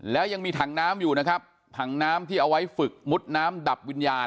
แล้วยังมีถังน้ำอยู่นะครับ